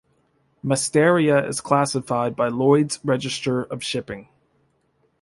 "Mastera" is classified by Lloyd's Register of Shipping.